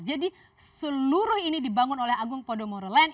jadi seluruh ini dibangun oleh agung podomoro land